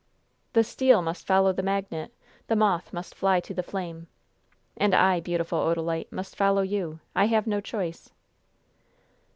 "The steel must follow the magnet! The moth must fly to the flame! And I, beautiful Odalite, must follow you! I have no choice."